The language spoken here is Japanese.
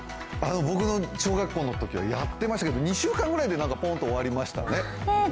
僕の小学校のときはやってましたけど２週間ぐらいでポンと終わりましたね、全部ではなく。